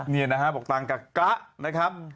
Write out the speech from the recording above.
นี่นะฮะบอกต่างกับกะนะครับ